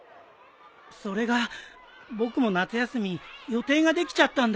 それが僕も夏休み予定ができちゃったんだ。